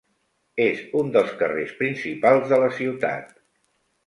És un dels carrers principals de la ciutat